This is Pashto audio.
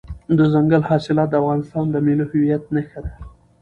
دځنګل حاصلات د افغانستان د ملي هویت یوه نښه ده.